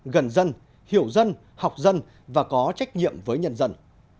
gần dân hiểu dân học dân và có trách nhiệm với nhân dân